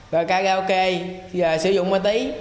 và cà gao kê sử dụng mạ tí